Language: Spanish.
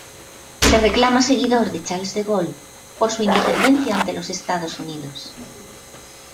Se reclama seguidor de Charles de Gaulle por su independencia ante los Estados Unidos.